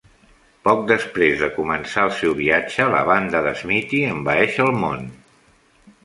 Poc després de començar el seu viatge, la banda de Smithy envaeix el món.